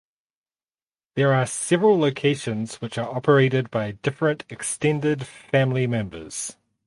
There are several locations which are operated by different extended family members.